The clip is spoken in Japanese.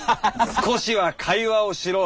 少しは会話をしろッ！